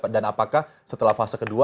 dan apakah setelah fase kedua